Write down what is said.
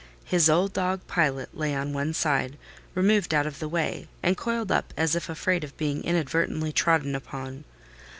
His old dog, Pilot, lay on one side, removed out of the way, and coiled up as if afraid of being inadvertently trodden upon.